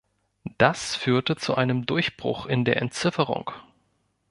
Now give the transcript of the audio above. Das führte zu einem Durchbruch in der Entzifferung.